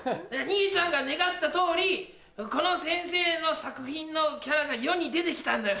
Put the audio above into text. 兄ちゃんが願った通りこの先生の作品のキャラが世に出て来たんだよ。